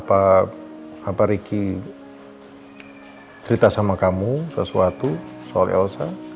pak riki cerita sama kamu sesuatu soal elsa